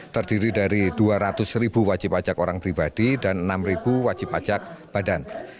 terdiri dari dua ratus ribu wajib pajak orang pribadi dan enam wajib pajak badan